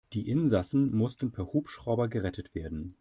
Die Insassen mussten per Hubschrauber gerettet werden.